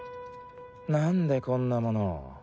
なんでこんなもの？